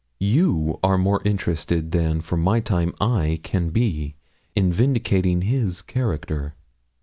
'You are more interested than for my time I can be, in vindicating his character.'